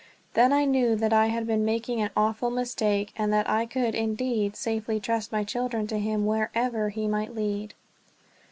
Then I knew that I had been making an awful mistake, and that I could indeed safely trust my children to him wherever he might lead.